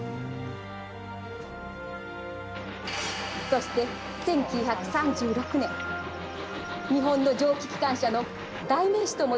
そして１９３６年日本の蒸気機関車の代名詞ともいえる名車が登場したわ。